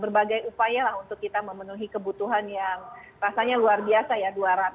berbagai upaya lah untuk kita memenuhi kebutuhan yang rasanya luar biasa ya